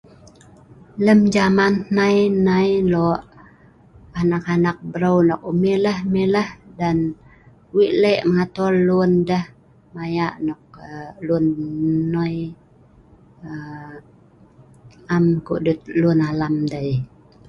Lem jaman hnai nai lo' anak anak breu' nok mileh mileh dan wei' leh' ngatol lun deh maya nok ee lun noi aaa am kedut lun alam dei.